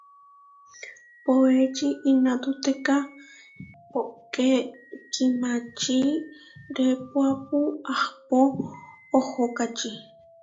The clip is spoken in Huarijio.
Poéči inatúkeka, póke kimači répuapu ahpó ohókači.